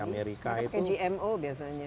pakai gmo biasanya